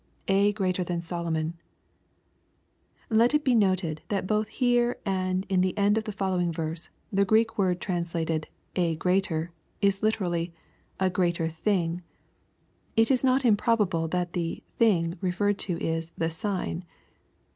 [A greater than Solomon^ Let it be noted, that both here and in the end of the following verses, the G reek word translated " a greater," is Hterally " a greater thing." It is not improbable that the " thing" referred to is " the sign."